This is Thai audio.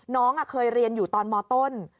น้องเคยเรียนอยู่ตอนมต้น